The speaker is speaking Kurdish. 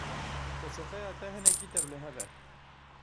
Felsefeya te hinekî tevlihev e.